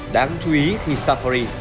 đáng chú ý khi safari